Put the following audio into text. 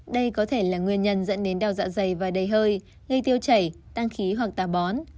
đây có thể là nguyên nhân dẫn đến đau dạ dày và đầy hơi gây tiêu chảy tăng khí hoặc tà bón